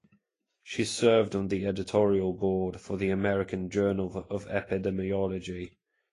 She served on the editorial board for the "American Journal of Epidemiology".